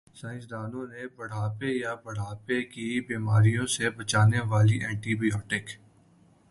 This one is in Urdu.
سائنسدانوں نےبڑھاپے یا بڑھاپے کی بیماریوں سے بچانے والی اینٹی بائیوٹک